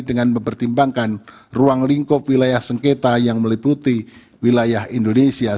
dengan mempertimbangkan ruang lingkup wilayah sengketa yang meliputi wilayah indonesia